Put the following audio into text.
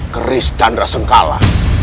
keris chandra sengkala